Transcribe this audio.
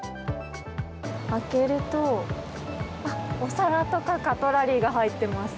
開けるとお皿とか、カトラリーが入っています。